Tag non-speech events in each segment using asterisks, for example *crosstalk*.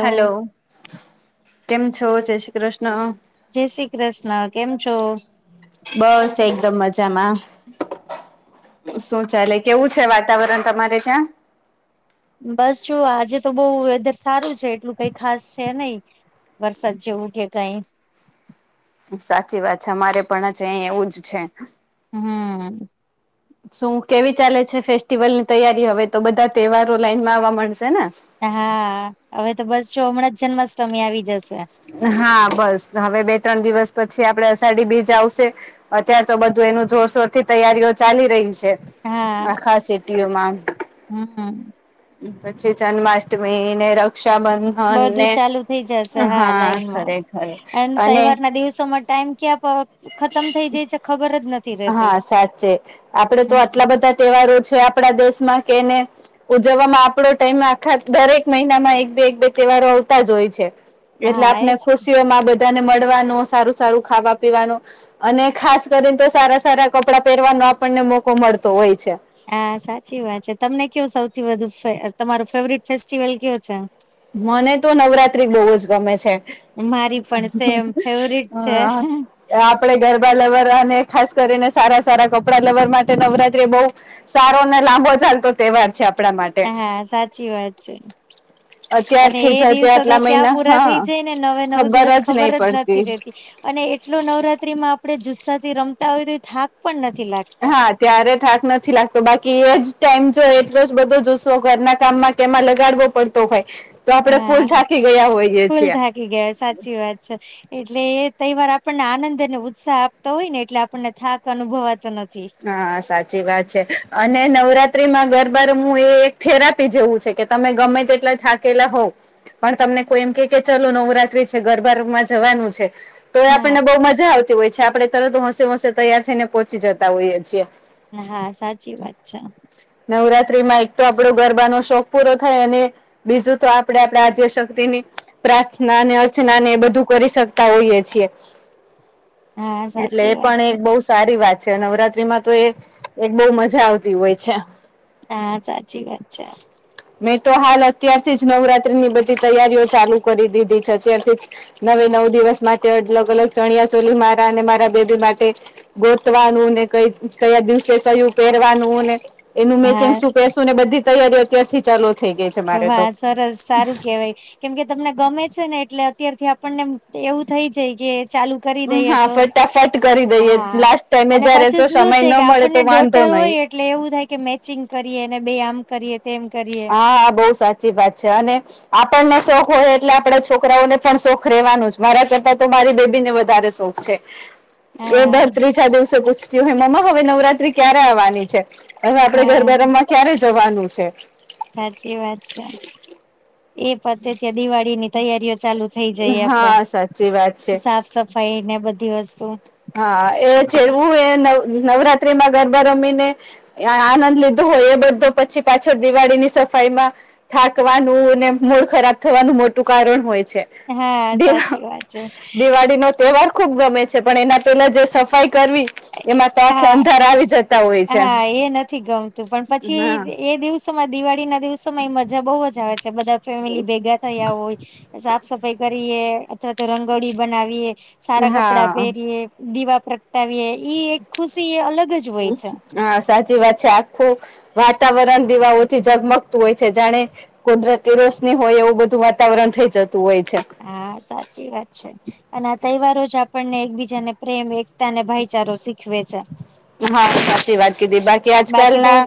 Hello કેમ છો જય શ્રીકૃષ્ણ. જય શ્રીકૃષ્ણ કેમ છો. બસ એકદમ મજામાં. શું ચાલે કેવું છે વાતાવરણ તમારે ત્યાં.? બસ જો આજે તો બઉ વેધર સારું છે એટલું કઈ ખાસ છે નય. વરસાદ જેવું કે કઈ. સાચી વાત છે અમારે પણ ચ આય એવું જ છે. હમ્મ શું કેવી ચાલે છે ફેસ્ટિવલ ની તૈયારી હવે તો બધા તહેવારો લાઈનમાં આવવા મંડશે ને. હા હવે તો બસ જો હમણા જ જન્માષ્ટમી આવી જશે. હા બસ હવે બે ત્રણ દિવસ પછી આપળે અષાઢી બીજ આવશે અત્યાર તો બધું એનું જોરશોર થી તૈયારીયો ચાલી રહી શે હા આખા સેટીઓ મા આમ હમ પછી જન્માષ્ટમી ને રક્ષાબંદ બધું ચાલુ થઇ જાશે હા લાઈનમાં. ખરેખર અન અને તહેવાર ના દિવસોમાં ટાઈમ ક્યાંપ ખતમ થઇ જાય છે ખબર જ નથ હં સાચે આપડે તો આટલા બધા તેવારો છે આપડા દેશમાં કેને ઉજવામાં આપણો ટાઈમ આખાક દરેક મહિનામાં એક બે એક બે તહેવારો આવતા જ હોય છે. એટલે હા આપને એજ ખોશીઓ માં બધ તેને મળવાનું સારું સારું ખાવા પીવાનું અને ખાસ કરીન તો સારા સારા કપડાં પેરવાનો આપણને મોકો મળતો હોય છે. આ સાચી વાત છે તમને કયો સૌથી વધુ ફે તમારો ફેવરિટ ફેસ્ટિવલ કયો છે. મને તો નવરાત્રી બોવ જ ગમે છે. મારી પણ સેમ ફેવરિટ છે. હં આ પળે ગરબા લેવારા ને ખાસ કરીને સારા સારા કપડાં લેવર માટે નવરાત્રી બઉ સારો ને લાંબો ચાલતો તહેવાર છે આપણા માટ હા સાચી વાત છે. અને અત્યારથી જ એ હજી દિવસો તો આટલા ક્યાં મહિના પૂરા થઇ હા જાય ને નવે નવ દિવસ ખબર જ નથી રે અને એટલો નવરાત્રી માં આપડે જુસ્સા થી રમતા હોય તોય થાક પણ નથી લાગતો. હા ત્યારે થાક નથી લાગતો બાકી એ જ ટાઈમ જો એટલો જ બધો જુસો ઘરના કામમાં કેમાં લગાડવો પડતો તો હોય તો આપણેે ફૂલ હા થાકી ગયા હોઈએ ફૂલ છીએ. થાકી સાચી વાત છે. એટલે એ તયવાર આપણને આનંદ અને ઉત્સાહ આપતો હોય ને એટલે આપણને થાક અનુભવાતો નથી. હા સાચી વાત છે અને નવરાત્રીમાં ગરબા રમવું એ એક થેરાપી જેવું છે કે તમે ગમે તેટલા થાકેલા હોવ પણ તમને કોઈ એમ કે કે ચલો નવરાત્રી છે ગરબામાં જવાનું છે તો એ આપણને હા બહુ મજા આવતી હોય છે આપણે તરત હોંશે હોશે તૈયાર થઈને પહોંચી જતા હોઈએ છીએ. હા સાચી વાત છે. નવરાત્રી માં એક તો આપણો ગરબાનો શોખ પૂરો થાય અને બીજું તો આપડે આપડા આધ્ય શક્તિની પ્રાર્થનાને અર્ચના ને એ બધું કરી શકતા હોઈએ છીએ હા એટલે સાચી એ વાત પણ છે. એક બહુ સારી વાત છે નવરાત્રી માં તો એ એક બહું મજા આવતી હોય છે. હા સાચી વાત છે. મેં તો હાલ અત્યારથી જ નવરાત્રીની બધી તૈયારીઓ ચાલુ કરી દીધી છે અત્યારથી જ નવે નવ દિવસ માટે અલગ અલગ ચણિયા ચોલી મારા અને મારા બેબી માટે ગો તવાનુંને કય કયા દિવસે કયું પહેરવાનુંને એનું હા મેચિંગ શું પહેરશું લોકો ને બધી તૈયારીઓ અત્યારથી ચાલુ થઈ ગઈ છે મારે તો વાહ સરસ સારું કેવાય કેમ કે તમને ગમે છે ને એટલે અત્યારથી આપણને એવું થઈ જાય કે ચાલુ કરી દઈએ હા તો ફટાફટ કરી દઈએ હા લાસ્ટ ટાઈમે અને જયારે પછી જો શું સમય ન છે કે મળે તો આપણને વાંધો ડોટર નહી હોય એટલે એવું થાય કે મેચિંગ કરીએ અને બે આમ કરીએ તેમ કરીએ હા બહુ સાચી વાત છે અને આપણને શોખ હોય એટલે આપડા છોકરાઓને પણ શોખ રહેેવાનું જ મારા કરતાં તો મારી બેબી ને વધારે શોખ છે. એ હા બસ ત્રીજા દિવસે પૂછતી હોય મમ્મા હવે નવરાત્રી ક્યારે આવવાની છે. હવે આપડે ગરબા હા રમવા ક્યારે જવાનું છે સાચી વાત છે એ પતે ત્યાં દિવાળી ની તૈયારીઓ ચાલુ થઇ જઈએ આપડે હા સાચી વાત છે સાફ સફાઈ ને બધી વસ્તુ હા એ જેવું એ નવ નવરાત્રિ માં ગરબા રમીને આનંદ લીધો હોય એ બધો પછી પાછળ દિવાળી ની સફાઈ માં થાકવાનું અને મૂળ ખરાબ થવાનું મોટું કારણ હોય છે. હા દિવા સાચી વાત છે. દિવાળીનો તહેવાર ખુબ ગમે છે પણ એના પેલા જે સફાઈ કરવી એમાં તો આખે હા અંધારા આવી જતા હોય છે. હા એ નથી ગમતું પણ પછી હા એ દિવસોમાં દિવાળી ના દિવસો માં તો ઈ મજા બહુ જ આવે છે બધા ફેમિલી ભેગા થયા હોય સાફ સફાઈ કરીએ અથવા તો રંગોળી બનાવીએ સારા કપડાં હા પહેરીએ. દીવા પ્રગટાવીએ ઈ એક ખુશી એ અલગ જ હોય છે હ સાચી વાત છે આખું વાતાવરણ દિવાઓથી ઝગમગતું હોય છે જાણે કુદરતી રોશની હોય એવું બધું વાતાવરણ થઈ જતું હોય છે. હા સાચી વાત છે અને આ તહેવારો જ આપણને એકબીજા ને પ્રેમ એકતા અને ભાઈચારો શીખવે છે. હા તો સાચી વાત કીધી બાકી આજકાલ ના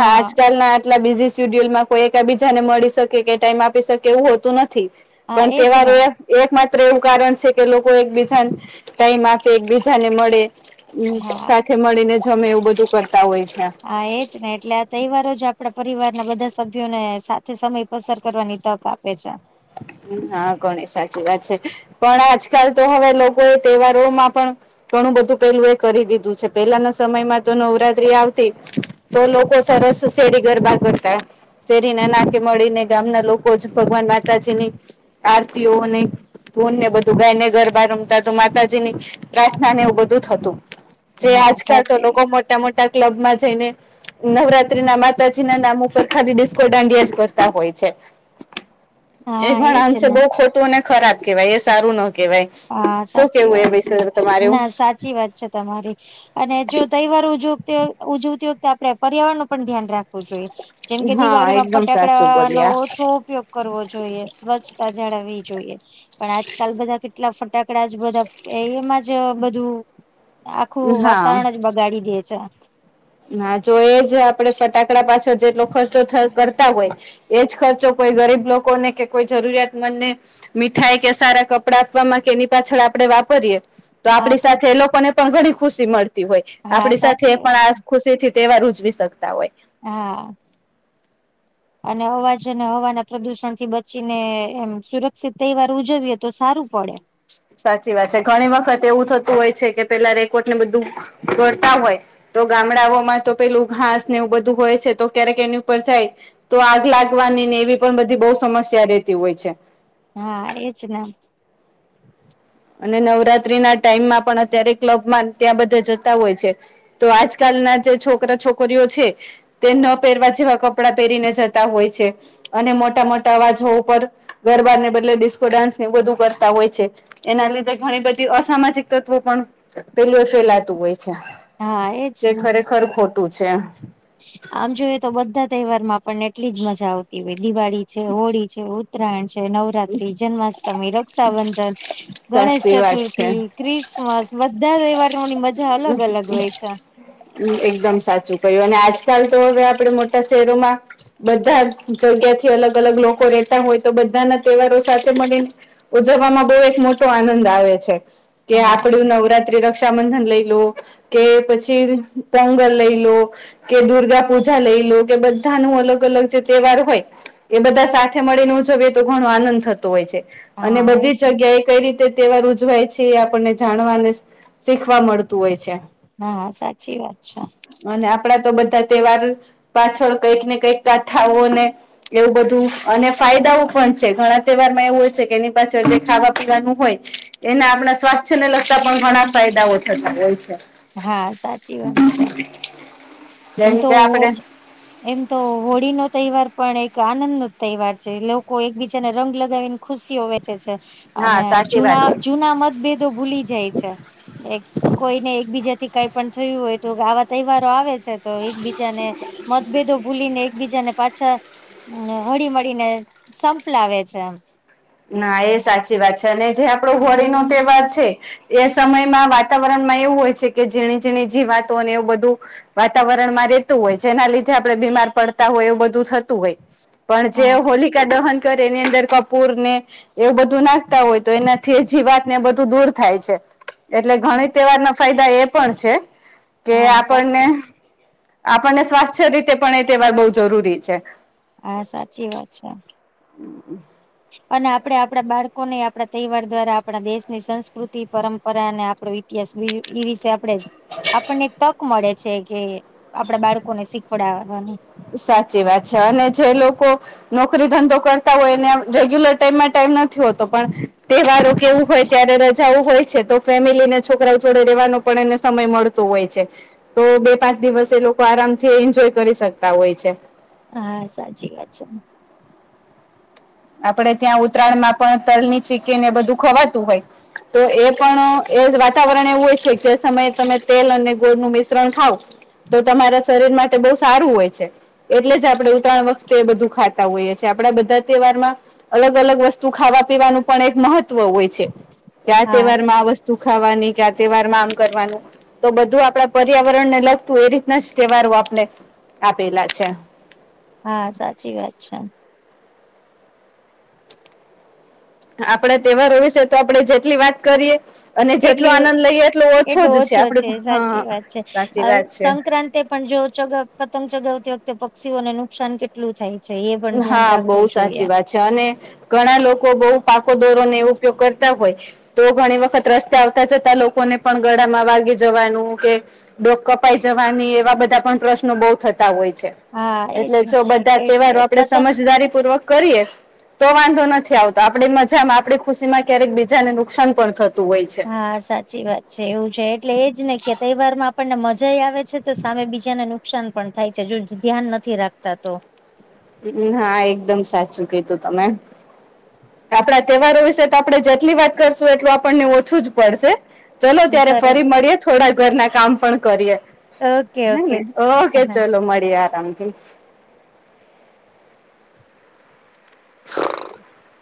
હા આજકાલ ના આટલા બીઝી સીડ્યુલમાં કોઈ એકબીજાને મળી શકે કે ટાઈમ આપી શકે એવું હોતું નથી. હા પણ એજ ને તહેવારોએ એક માત્ર એવું કારણ છે કે લોકો એકબીજાને ટાઈમ આપે એકબીજાને મળે હમમ હા સાથે મળીને જમે એવું બધું કરતા હોય છે. હા એજ ને એટલે આ તહેવાર જ આપણા પરિવારના બધા સભ્યોને સાથે સમય પસાર કરવાની તક આપે છે. હા ઘણી સાચી વાત છે. પણ આજકાલ તો હવે લોકો અ તહેવારોમાં પણ ઘણું બધું પેલું એ કરી દિધુ છે. પેલાના સમયમાં તો નવરાત્રી આવતી તો લોકો સરસ સેરી ગરબા કરતા શેરી ના નાકે મળીને ગામના લોકો જ ભગવાન માતાજી ની આરતીઓને ધૂન ને બધું ગાઈને ગરબા રમતા તો માતાજી ની પ્રાર્થના ને એવું બધું થતું. જે હા આજકાલ તો સાચી લોકો વાત મોટા મોટા ક્લબ માં જઈને નવરાત્રી ના માતાજી ના નામ ઉપર ખાલી ડિસ્કો દાંડિયા જ કરતા હોય છે. એ હા પણ એજ અશે ને બો ખોટું અને ખરાબ કેવાય એ સારું ન કેવાય. હા શું સાચી કેવું એ વાત છે. વિષય તમારું? ના સાચી વાત છે તમારી. અને જો તહેવાર ઉજવ ઉજવતી વખતે આપડે પર્યાવરણ નું પણ ધ્યાન રાખવું જોઈએ. જેમ કે હા દિવાળી માં એકદમ સાચું ફટાકડા નો બોલ્યા ઓછો ઉપયોગ કરવો જોઈએ, સ્વચ્છતા જાળવવી જોઈએ પણ આજકાલ બધા કેટ કેટલા ફટાકડા જ બધા એમા જ બધું આખું હા વાતાવરણ જ બગડી બગાડી દે છે. હા જો એ જ આપડે ફટાકડા પાછળ જેટલો ખર્ચો થ કરતા હોય એજ ખર્ચો કોઈ ગરીબ લોકોને કે, કોઈ જરૂરિયાતમંદને મીઠાઈ કે સારા કપડા આપવામાં કે એની પાછળ આપડે વાપરીએ તો આપણી સાથે એ લોકોને પણ ઘણી ખુશી મળતી હોય. હા આપણી સાથે સાચી એ વાત પણ છે આ ખુશી થી તહેવાર ઉજવી શકતા હોય. હા. અને અવાજ અને હવાના પ્રદુષણ થી બચીને એમ સુરક્ષિત તહેવાર ઉજવીએ તો સારું પડે. સાચી વાત છે. ઘણી વખત એવું થતું હોય છે કે પેલા રેકોટ ને બધું ફોડતા હોય તો ગામડાઓમાં તો પેલું ઘાસ ને એવું બધું હોય છે, તો ક્યારેક એની ઉપર જાય તો આગ લાગવાની ને એવી પણ બધી બો સમસ્યા રહેતી હોય છે. હા એજ ને. અને નવરાત્રી ના ટાઈમમાં પણ અત્યારે ક્લબમાં ત્યાં બધા જતા હોય છે. તો આજકાલના જે છોકરા છોકરીઓ છે તે ન પહેરવા જેવા કપડાં પહેરીને જતા હોય છે. અને મોટા મોટા અવાજો ઉપર ગરબા ને બદલે ડિસ્કો ડાન્સ ને એવું બધું કરતા હોય છે. એના લીધે ઘણી બધી અસામાજિક તત્વો પણ પેલું ફેલાતું હોય છે. હા એજ ને. ખર ખોટું છે. આમ જોઈએ તો બધા તહેવારો માં પણ એટલી જ મજા આવતી હોય દિવાળી છે, હોળી છે ઉત્તરાયણ છે, નવરાત્રી, જન્માષ્ટમી, રક્ષાબંધન, ગણેશ સાચી વાત છે ચતુર્થી ક્રિસમસ બધા તહેવાર *inaudible* એકદમ સાચું કહ્યું અને આજકાલ તો હવે આપણેે મોટા શહેરોમાં બધા જગ્યાથી અલગ અલગ લોકો રહેતા હોય તો બધાના તહેવારો સાથે મળીને ઉજવવામાં બો એક આનંદ આવે છે. હા આપડું નવરાત્રી, રક્ષાબંધન લઈ લો કે પછી પોગલ લઈ લો કે દુર્ગા પૂજા લઈ લો કે બધા નું અલગ અલગ જે તહેવાર હોય એ બધા સાથે મળીને ઉજવીએ તો ઘણો આનંદ થતો હોય છે. અને હા બધી એજ જ જગ્યા એ કઈ રીતે તહેવાર ઉજવાય છે એ આપણને જાણવાને શીખવા મળતું તુ હોય છે. હા સાચી વાત છે. અને આપણા તો બધા તહેવાર પાછળ કઈક ને કઈક કાથાઓ ને એવું બધું અને ફાયદાઓ પણ છે ઘણા તહેવાર માં એવું હોય છે કે એની પાછળ જે ખાવા પીવાનું હોય એના આપણા સ્વાસ્થ્ય ને લગતા પણ ઘણા ફાયદાઓ થતા હોય છે. હા સાચી વાત છે. એમ જેમ તો કે હો આપડે એમ તો હોળી નો તહેવાર પણ એક આનંદ નો જ તહેવાર છે લોકો એકબીજાને રંગ લગાવીને ખુશીઓ વેચે છે હા અને સાચી વાત જુના છે જૂના મતભેદો ભૂલી જાય છે કોઈને એક બીજાથી કઈ પણ થયું હોય તો આવા તહેવારો આવે છે. તો એકબીજાને મતભેદો ભૂલી ને એકબીજાને પાછા હ હળી મળીને સંપલાવેે છે. ના એ સાચી વાત છે અને જે આપણો હોળી નો તહેવાર છે. એ સમયમાં વાતાવરણમાં એવું હોય કે ઝીણી ઝીણી જી વાતો અને એવું બધું વાતાવરણ માં રેતું હોય જેના લીધે આપણે બીમાર પડતા હોય એવું બધું થતું હોય પણ જે હા હોલિકા દહન કરે એની અંદર કપૂર ને એવું બધું નાખતા હોય તો એનાથી જી વાત ને એ બધું દૂર થાય છે. એટલે ઘણી તહેવારના ફાયદા એ પણ છે કે હા આપણને સાચી વાત આપણને સ્વાસ્થ્ય રીતે પણ એ તહેવાર બહુ જરૂરી છે. હા સાચી વાત છે. હમ્મ. અને આપડે આપણા બાળકોને આપણા તહેવાર દ્વારા આપણા દેશની સંસ્કૃતિ પરંપરા અને આપડે બીજૂ એ વિશે આપડે આપણને તક મળે છે કે આપડા બાળકો ને શીખવાડવાની સાચી વાત છે અને જે લોકો નોકરી ધંધો કરતા હોય ને રેગ્યુલર ટાઈમમાં ટાઈમ નથી હોતો પણ તહેવારો કે એવું હોય ત્યારે રજાઓ હોય છે તો ફેમિલી ને છોકરાઓ જોડે રેવાનો પણ એને સમય મળતું હોય છે. તો બે પાંચ દિવસે એ લોકો આરામથી એન્જોય કરી શકતા હોય છે. હા સાચી વાત છે. આપડે ત્યાં ઉત્તરાયણ માં પણ તલ ની ચિકી ને એ બધું ખવાતું હોય તો એ પણ એ વાતાવરણ એવું હોય છે જે સમયે તમે તેલ અને ગોળનું મિશ્રણ ખાવ તો તમારા શરીર માટે બહુ સારું હોય છે. એટલે જ આપણે ઉત્રાણ વખતે એ બધું ખાતા હોઈએ છીએ આપડા બધા તહેવારમાં અલગ અલગ વસ્તુ ખાવા પીવાનું પણ એક મહત્વ હોય છે. ક્યા હા તહેવાર માં આ વસ્તુ ખાવાની ક્યા તહેવાર માં આમ કરવાનું તો બધું આપણા પર્યાવરણ ને લગતું એ રીતના જ તહેવારો આપણે આપેલા છે. હા સાચી વાત છે. આપડે તહેવારો વિશે તો આપડણે જેટલી વાત કરીએ અને જેટલો એટલી આનંદ લઈએ એટલો ઓછો જ છે આપડે હા સાચી વાત છે. તે પણ જો ચગાવ પતંગ ચગાવતી વખતે પક્ષીઓને નુકસાન કે કેટલું થાય છે એ પણ ધ્યાન હા બહુ રાખવું જોઈએ. સાચી વાત અને ઘણા લોકો બહુ પાકો દોરો ને એ ઉપયોગ કરતા હોય તો ઘણી વખત રસતે આવતા જતા લોકોને પણ ગળામાં વાગી જવાનું કે ડોક કપાઈ જવાની એવા બધા પણ પ્રશ્નો બો થતા હોય છે. હા એજ એટલે ને જો બધા એટલે તહેવારો આપડે પતંગ સમજદારી પૂર્વક કરીએ તો વાંધો નથી આવતો આપડી મજામાં આપણી ખુશી માં ક્યારેક બીજાને નુકસાન પણ થતું હોય છે. હા સાચી વાત છે એવું છે એટલે એજ ને કે તહેવાર માં આપણને મજા યે આવે છે તો સામે બીજાને નુકસાન પણ થાય છે, જો ધ્યાન નથી રાખતા તો. અ હા એકદમ સાચું કીધું તમે. આપણા તહેવારો વિશે તો આપણે જેટલી વાત કરશું એટલું આપણને ઓછું જ પડશે. ચલો ત્યારે ફરી સરસ મળીએ, થોડા ઘરના કામ પણ કરીએ. ઓકે હા ઓકે ને ઓકે હા ચલો મળીએ આરામથી. *inaudible*